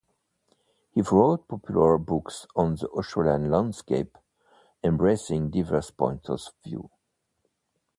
He wrote popular books on the Australian landscape embracing diverse points of view.